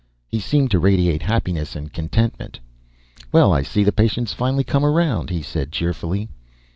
He seemed to radiate happiness and contentment. "Well, I see the patient's finally come around," he said, cheerfully.